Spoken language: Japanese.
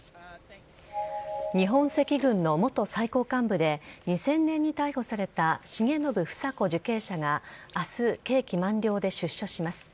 日本赤軍の元最高幹部で２０００年に逮捕された重信房子受刑者が明日、刑期満了で出所します。